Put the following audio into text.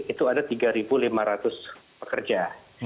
itu ada tiga lima ratus pekerja